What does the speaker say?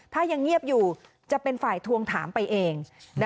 ถ้ายังเงียบอยู่จะเป็นฝ่ายทวงถามไปเอง